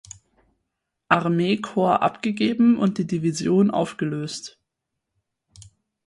Armeekorps abgegeben und die Division aufgelöst.